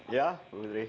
iya bu menteri